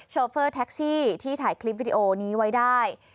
โฟเฟอร์แท็กซี่ที่ถ่ายคลิปวิดีโอนี้ไว้ได้